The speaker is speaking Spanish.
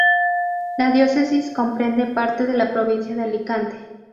La diócesis comprende parte de la provincia de Alicante.